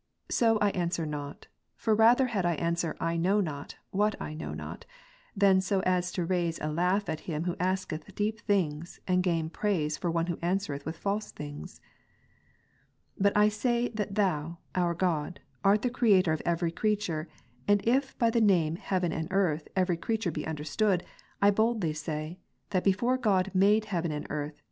So I answer not; for rather had I answer, " I know not," what I know not, than so as to raise a laugh at him who asketh deep things and gain praise for one who answereth false things. But I say that Thou, our God, art the Creator of every creature : and if by the name " heaven and earth," every creature be understood ; I boldly say, " that before God made heaven and earth.